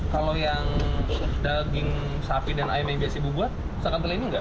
kalau yang daging sapi dan ayam yang biasa ibu buat bisa kental ini enggak